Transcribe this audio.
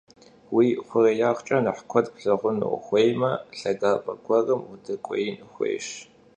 Vui xhurêyağç'e nexh kued plhağunu vuxuêyme, lhagap'e guerım vudek'uêin xuêyş.